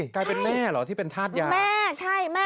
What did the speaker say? กลายเป็นแม่เหรอที่เป็นธาตุยา